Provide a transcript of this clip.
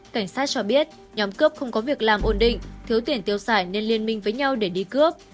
cảnh sát cho biết nhóm cướp không có việc làm ổn định thiếu tiền tiêu xài nên liên minh với nhau để đi cướp